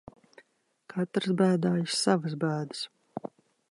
Katrs bēdājas savas bēdas.